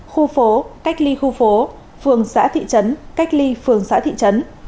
khu phố cách ly khu phố phường xã thị trấn cách ly phường xã thị trấn